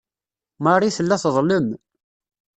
Marie tella teḍlem.